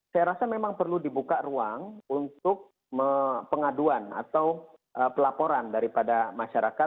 saya rasa memang perlu dibuka ruang untuk pengaduan atau pelaporan daripada masyarakat